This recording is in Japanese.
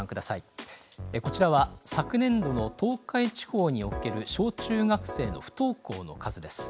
こちらは昨年度の東海地方における小中学生の不登校の数です。